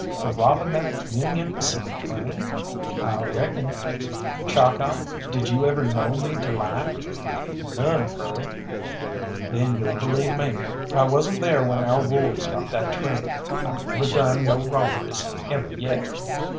"For robbing that Union Pacific train?" "I reckon." "Chalkeye, did you ever know me to lie?" "None, Curly." "Then you'll believe me. I wasn't there when our wolves got that train. I've never done no robberies, ever yet."